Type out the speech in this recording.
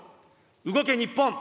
「動け、日本。」